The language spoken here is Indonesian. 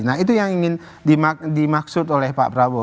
nah itu yang ingin dimaksud oleh pak prabowo